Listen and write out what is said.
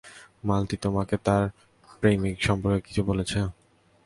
মালতী তোমাকে তার প্রেমিক সম্পর্কে কিছু বলেছে?